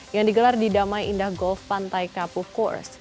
yang digelar di damai indah golf pantai kapuh kurs